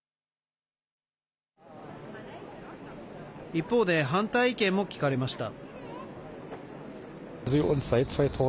一方で反対意見も聞かれました。